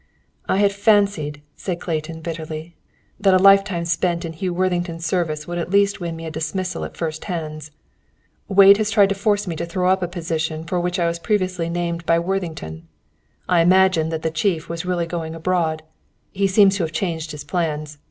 "I had fancied," said Clayton, bitterly, "that a lifetime spent in Hugh Worthington's service would at least win me a dismissal at first hands. "Wade has tried to force me to throw up a position for which I was previously named by Worthington. I imagined that the Chief was really going abroad. He seems to have changed his plans.